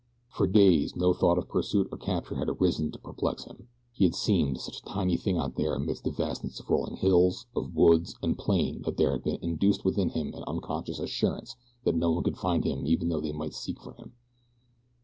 For days no thought of pursuit or capture had arisen to perplex him. He had seemed such a tiny thing out there amidst the vastness of rolling hills, of woods, and plain that there had been induced within him an unconscious assurance that no one could find him even though they might seek for him.